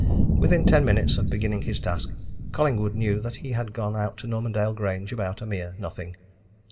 Within ten minutes of beginning his task Collingwood knew that he had gone out to Normandale Grange about a mere nothing.